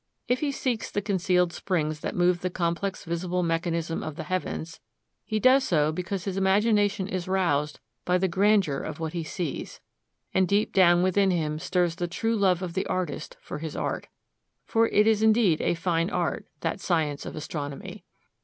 If he seeks the concealed springs that move the complex visible mechanism of the heavens, he does so because his imagination is roused by the grandeur of what he sees; and deep down within him stirs the true love of the artist for his art. For it is indeed a fine art, that science of astronomy.